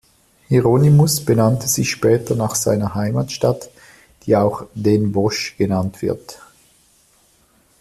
Hieronymus benannte sich später nach seiner Heimatstadt, die auch Den Bosch genannt wird.